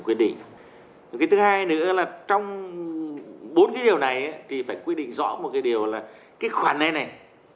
quyết định cái thứ hai nữa là trong bốn cái điều này thì phải quyết định rõ một cái điều là cái khoản này này